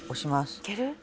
いける？